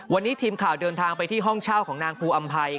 วันนี้ทีมข่าวเดินทางไปที่ห้องเช่าของนางภูอำภัย